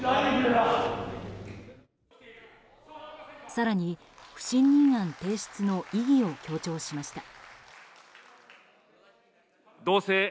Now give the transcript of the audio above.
更に、不信任案提出の意義を強調しました。